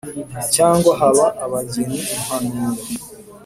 cyangwa baha abageni impanuro